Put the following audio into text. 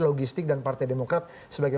logistik dan partai demokrat sebagai